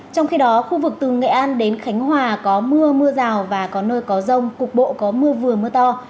trong khi đó khu vực từ nghệ an đến khánh hòa có mưa mưa rào và có nơi có rông cục bộ có mưa vừa mưa to